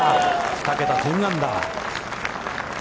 ２桁、１０アンダー。